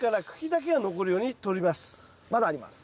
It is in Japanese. まだあります。